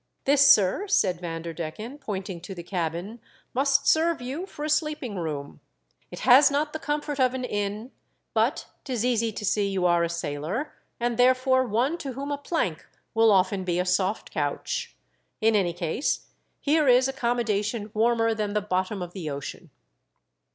" This, sir," said Vanderdecken, pointing to the cabm, " must serve you for a sleeping room ; it has not the comfort of an inn, but 'tis easy to see you are a sailor, and, there fore, one to whom a plank will often be a MV FIRST NIGHT IX THE DEATH SHIP, IO3 soft couch. 111 any case, here Is accommo dation warmer than the bottom of the ocean.